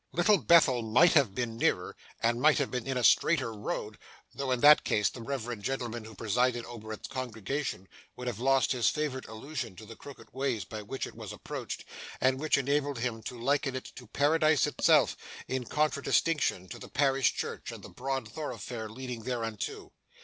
Little Bethel might have been nearer, and might have been in a straighter road, though in that case the reverend gentleman who presided over its congregation would have lost his favourite allusion to the crooked ways by which it was approached, and which enabled him to liken it to Paradise itself, in contradistinction to the parish church and the broad thoroughfare leading thereunto.